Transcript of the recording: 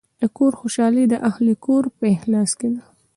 د کور خوشحالي د اهلِ کور په اخلاص کې ده.